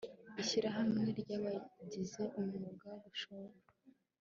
ishyirahamwe ry abagize umwuga gushora